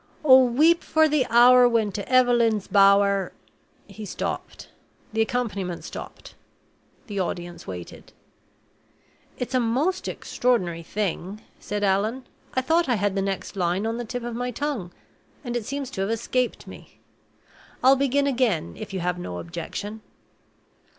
"Oh, weep for the hour when to Eveleen's Bower " He stopped; the accompaniment stopped; the audience waited. "It's a most extraordinary thing," said Allan; "I thought I had the next line on the tip of my tongue, and it seems to have escaped me. I'll begin again, if you have no objection.